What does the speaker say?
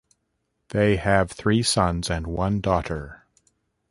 They have three sons and one daughter.